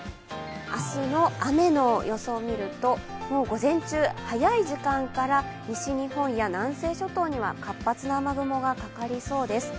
明日の雨の予想を見ると、もう午前中、早い時間から西日本から南西諸島には活発な雨雲がかかりそうです。